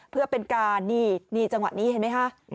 เพื่อเป็นการนี่จังหวะนี้เห็นไหมคะ